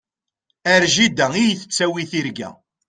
Ar jida i yi-tettawi tirga.